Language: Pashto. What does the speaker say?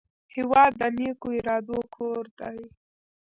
هېواد د نیکو ارادو کور دی.